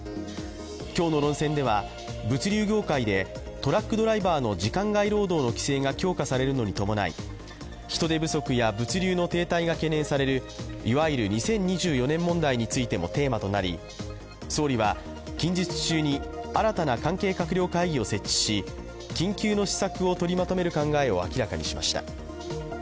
今日の論戦では物流業界でトラックドライバーの時間外労働の規制が強化されるのに伴い人手不足や物流の停滞が懸念されるいわゆる２０２４年問題についてもテーマとなり、総理は近日中に新たな関係閣僚会議を設置し緊急の施策を取りまとめる考えを明らかにしました。